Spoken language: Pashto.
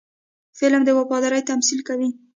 فلم د وفادارۍ تمثیل کوي